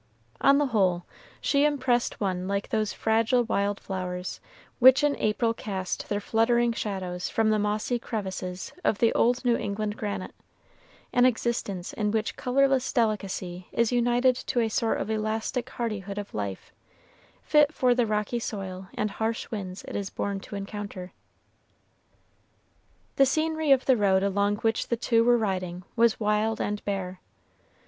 On the whole, she impressed one like those fragile wild flowers which in April cast their fluttering shadows from the mossy crevices of the old New England granite, an existence in which colorless delicacy is united to a sort of elastic hardihood of life, fit for the rocky soil and harsh winds it is born to encounter. The scenery of the road along which the two were riding was wild and bare.